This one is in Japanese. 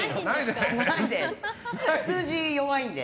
数字に弱いんで。